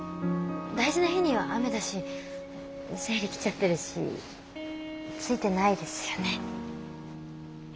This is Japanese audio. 大事な日には雨だし生理来ちゃってるしついてないですよね。